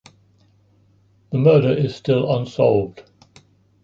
The murder is still unsolved.